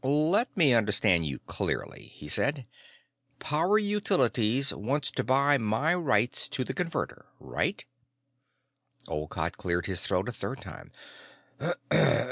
"Let me understand you clearly," he said. "Power Utilities wants to buy my rights to the Converter. Right?" Olcott cleared his throat a third time.